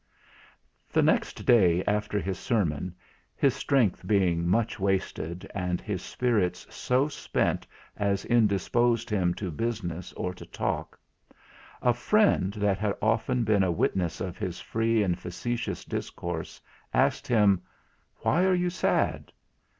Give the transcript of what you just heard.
The next day after his sermon, his strength being much wasted, and his spirits so spent as indisposed him to business or to talk, a friend that had often been a witness of his free and facetious discourse asked him, "Why are you sad?"